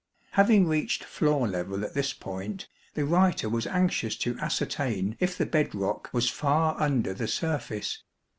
21 Having reached floor level at this point the writer was anxious to ascertain if the bed rock was far under the surface.